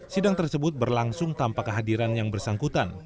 sidang tersebut berlangsung tanpa kehadiran yang bersangkutan